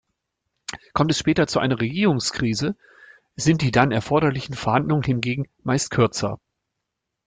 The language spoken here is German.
Kommt es später zu einer Regierungskrise, sind die dann erforderlichen Verhandlungen hingegen meist kürzer.